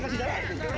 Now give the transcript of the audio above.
tolong kasih jalan